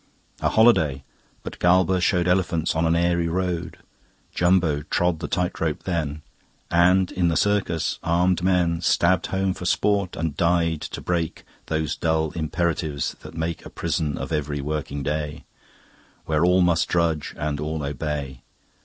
A holiday? But Galba showed Elephants on an airy road; Jumbo trod the tightrope then, And in the circus armed men Stabbed home for sport and died to break Those dull imperatives that make A prison of every working day, Where all must drudge and all obey.